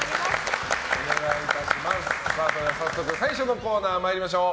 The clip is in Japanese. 早速、最初のコーナー参りましょう。